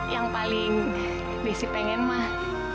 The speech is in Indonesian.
yang paling desi pengen mah